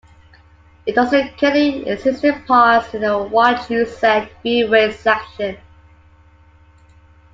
It also currently exists in parts in the Wachusett Greenways section.